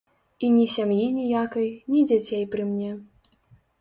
І ні сям'і ніякай, ні дзяцей пры мне.